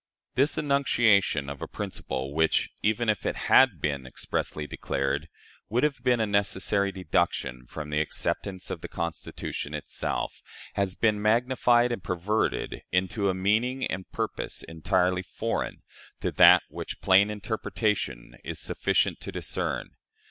This enunciation of a principle, which, even if it had not been expressly declared, would have been a necessary deduction from the acceptance of the Constitution itself, has been magnified and perverted into a meaning and purpose entirely foreign to that which plain interpretation is sufficient to discern.